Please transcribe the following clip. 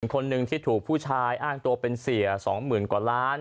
คนหนึ่งที่ถูกผู้ชายอ้างตัวเป็นเสีย๒๐๐๐กว่าล้าน